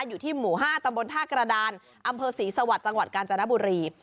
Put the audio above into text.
อยู่ที่หมู่๕ตำบลท่ากระดานอำเภอศรีสวรรค์จังหวัดกาญจนบุรี